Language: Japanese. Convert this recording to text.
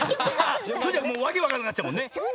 それじゃあわけわかんなくなっちゃうもんね。